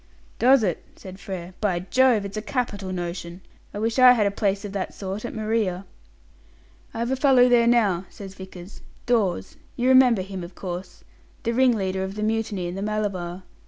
"Does it?" said Frere. "By Jove! it's a capital notion. I wish I had a place of that sort at Maria." "I've a fellow there now," says Vickers; "Dawes. You remember him, of course the ringleader of the mutiny in the Malabar.